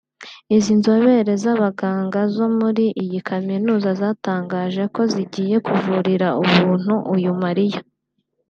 Izi nzobere z’abaganga zo muri iyi kaminuza zatangaje ko zigiye kuvurira ubuntu uyu Maria